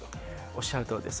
おっしゃるとおりです。